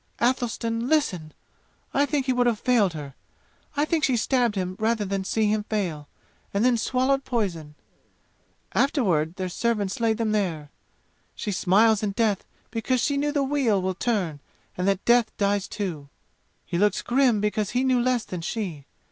Athelstan listen! I think he would have failed her! I think she stabbed him rather than see him fail, and then swallowed poison! Afterward their servants laid them there. She smiles in death because she knew the wheel will turn and that death dies too! He looks grim because he knew less than she.